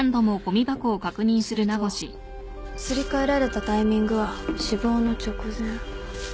するとすり替えられたタイミングは死亡の直前。